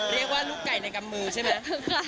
เรียกว่าลูกไก่ในกำมือใช่ไหม